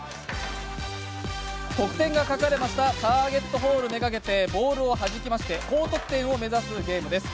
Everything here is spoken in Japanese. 得点が書かれたターゲットホールを目がけて、ボールをはじきまして高得点を目指すゲームです。